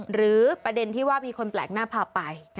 หรือประเด็นที่ว่ามีคนแปลกหน้าพาไป